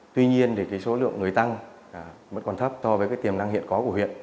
tuy nhiên số lượng người tăng vẫn còn thấp so với cái tiềm năng hiện có của huyện